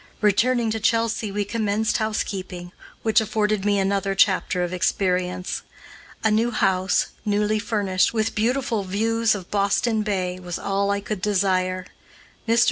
Returning to Chelsea we commenced housekeeping, which afforded me another chapter of experience. A new house, newly furnished, with beautiful views of Boston Bay, was all I could desire. Mr.